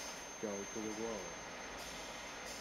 Joy to the world.